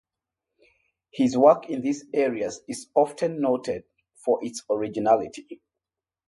His work in these areas is often noted for its originality.